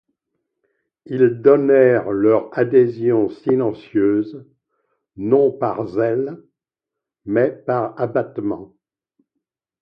Ils donnèrent leur adhésion silencieuse, non par zèle, mais par abattement.